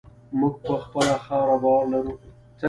موږ په خپله خاوره باور لرو.